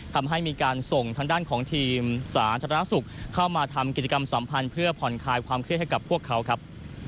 ทำให้มีการส่งทางด้านของทีมสาธารณสุขเข้ามาทำกิจกรรมสัมพันธ์เพื่อผ่อนคลายความเครียดให้กับพวกเขาครับ